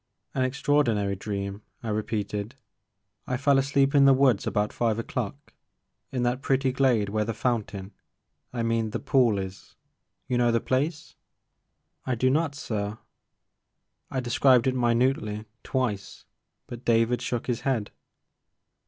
An extraordinary dream," I repeated ;I fell asleep in the woods about five o'clock, in that ^ pretty glade where the fountain — I mean the pool is. You know the place ?'' I "I do not sir." I described it minutely, twice, but David shook his head.